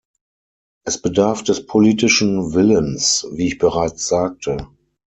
Es bedarf des politischen Willens, wie ich bereits sagte.